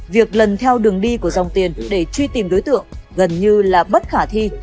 việc lần theo đường đi của dòng tiền để truy tìm đối tượng gần như là bất khả thi